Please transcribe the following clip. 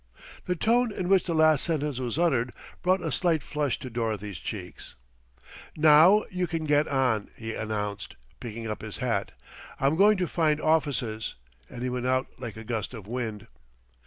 The tone in which the last sentence was uttered brought a slight flush to Dorothy's cheeks. "Now you can get on," he announced, picking up his hat. "I'm going to find offices;" and he went out like a gust of wind.